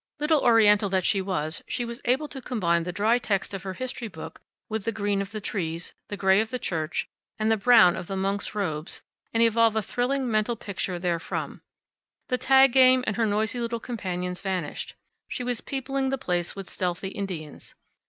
Little Oriental that she was, she was able to combine the dry text of her history book with the green of the trees, the gray of the church, and the brown of the monk's robes, and evolve a thrilling mental picture therefrom. The tag game and her noisy little companions vanished. She was peopling the place with stealthy Indians.